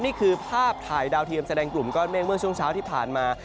นี่คือภาพถ่ายดาวเทียมแสดงกลุ่มก้อนเมฆเมื่อช่วงเช้าที่ผ่านมา